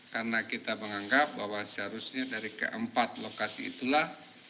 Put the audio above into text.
karena kita menganggap bahwa seharusnya dari keempat lokasi itulah